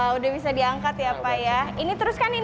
ini sudah terlihat gak ada air ternyata